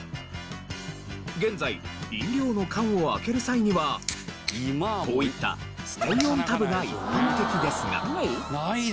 現在飲料の缶を開ける際にはこういったステイオンタブが一般的ですが。